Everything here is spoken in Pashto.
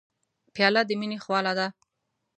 پیاله د مینې خواله ده.